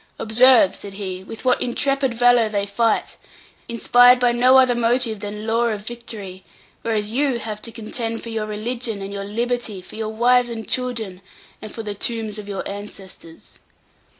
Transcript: "Observe," said he, "with what intrepid valour they fight, inspired by no other motive than lore of victory; whereas you have to contend for your religion and your liberty, for your wives and children, and for the tombs of your ancestors."